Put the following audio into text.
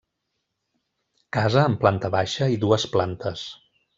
Casa amb planta baixa i dues plantes.